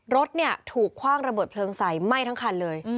รถเนี่ยถูกคว่างระเบิดเพลิงใสไหม้ทั้งคันเลย